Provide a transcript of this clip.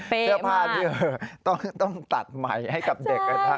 เปะมากเสื้อผ้าที่ต้องตัดใหม่ให้กับเด็ก